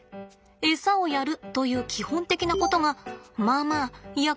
エサをやるという基本的なことがまあまあいや